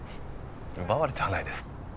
奪われてはないです。